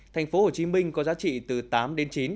thành phố hồ chí minh có giá trị từ tám đến chín